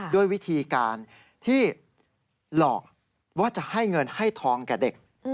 ด้วยวิธีการที่หลอกว่าจะให้เงินให้ทองแก่เด็ก